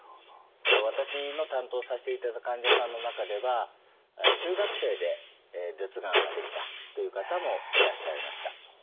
私の担当させていただいた患者さんの中では中学生で舌がんができたという方もいらっしゃいました。